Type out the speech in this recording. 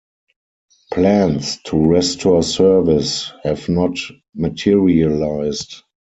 Plans to restore service have not materialized.